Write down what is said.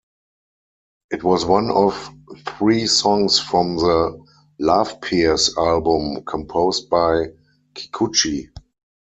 It was one of three songs from the "Loveppears" album composed by Kikuchi.